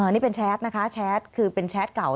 นี่เป็นแชทนะคะแชทคือเป็นแชทเก่า